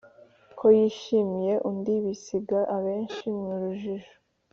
ko yishimiye undi, bisiga abenshi mu rujijo